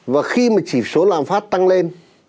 và khi mà chỉ số lạm phát tăng lên